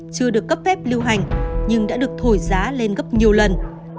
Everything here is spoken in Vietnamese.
chưa được cấp phép lưu hành nhưng đã được thổi giá lên gấp nhiều lần